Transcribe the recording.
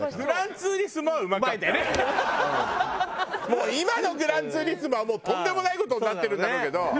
もう今の『グランツーリスモ』はとんでもない事になってるんだろうけど。